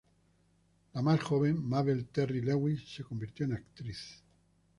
La más joven, Mabel Terry-Lewis, se convirtió en actriz.